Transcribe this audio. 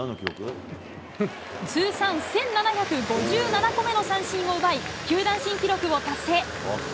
通算１７５７個目の三振を奪い、球団新記録を達成。